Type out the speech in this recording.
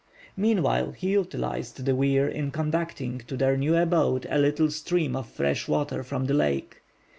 Meanwhile he utilized the weir in conducting to their new abode a little stream of fresh water from the lake.